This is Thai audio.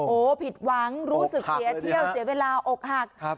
โอ้โหผิดหวังรู้สึกเสียเที่ยวเสียเวลาอกหัก